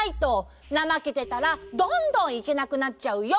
なまけてたらどんどんいけなくなっちゃうよ。